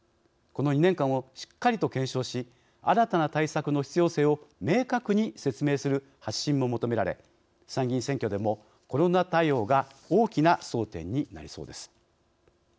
この２年間をしっかりと検証し新たな対策の必要性を明確に説明する発信も求められ参議院選挙でもコロナ対応が大きな争点になりそうです。